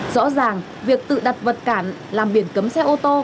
rõ ràng việc tự đặt vật cản làm biển cấm xe ô tô